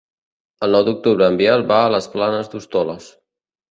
El nou d'octubre en Biel va a les Planes d'Hostoles.